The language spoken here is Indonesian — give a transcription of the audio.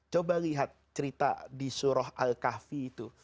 coba lihat cerita di surah al kahfi itu